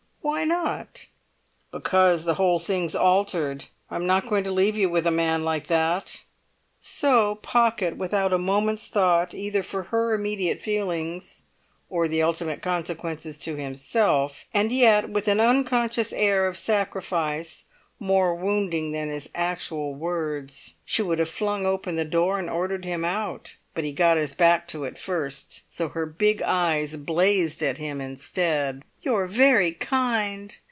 "Why not?" "Because the whole thing's altered! I'm not going to leave you with a man like that!" So Pocket, without a moment's thought either for her immediate feelings or the ultimate consequences to himself; and yet with an unconscious air of sacrifice more wounding than his actual words. She would have flung open the door, and ordered him out, but he got his back to it first. So her big eyes blazed at him instead. "You're very kind!"